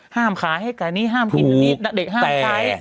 ห้ามค้าให้แกหนี้ห้ามดินบริตตัดเด็กก็ห้ามซ้าย